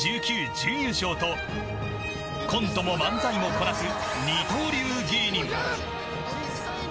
準優勝とコントも漫才もこなす二刀流芸人。